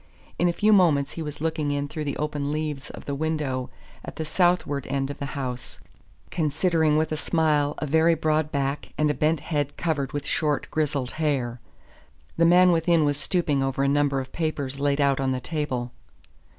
In a few moments he was looking in through the open leaves of the window at the southward end of the house, considering with a smile a very broad back and a bent head covered with short grizzled hair. The man within was stooping over a number of papers laid out on the table.